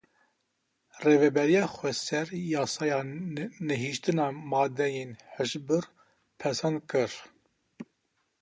Rêveberiya Xweser yasaya nehîştina madeyên hişbir pesend kir.